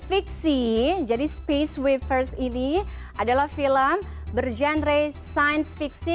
fiksi jadi space wapers ini adalah film berjenre science fiksi